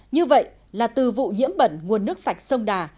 như vậy là từ vụ nhiễm bẩn nguồn nước sạch sông đà